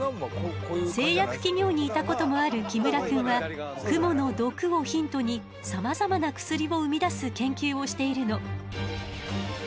製薬企業にいたこともある木村くんはクモの毒をヒントにさまざまな薬を生み出す研究をしているの。